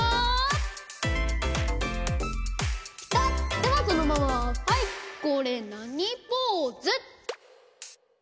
ではそのままはいこれなにポーズ？